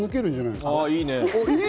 いいね。